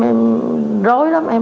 em rối lắm